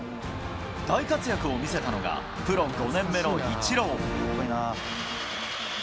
大活躍を見せたのが、プロ５年目のイチロー。